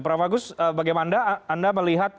prof agus bagaimana anda melihat